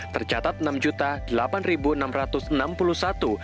tercatat enam delapan enam ratus enam puluh satu